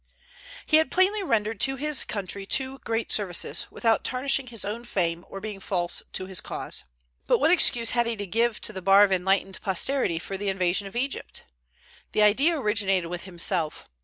He had plainly rendered to his country two great services, without tarnishing his own fame, or being false to his cause. But what excuse had he to give to the bar of enlightened posterity for the invasion of Egypt? The idea originated with himself.